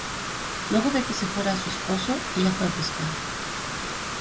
Luego de que se fuera su esposo, ella fue a pescar.